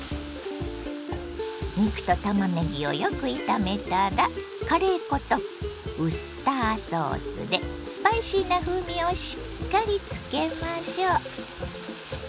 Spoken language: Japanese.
肉とたまねぎをよく炒めたらカレー粉とウスターソースでスパイシーな風味をしっかりつけましょ。